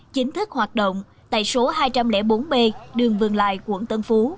chính thức hoạt động tại số hai trăm linh bốn b đường vương lài quận tân phú